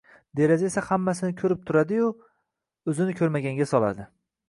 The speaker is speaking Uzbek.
Deraza esa hammasini ko’rib turadi-yu, o’zini ko’rmaganga soladi.